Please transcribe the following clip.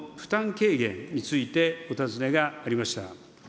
軽減についてお尋ねがありました。